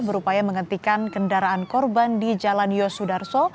berupaya menghentikan kendaraan korban di jalan yosudarso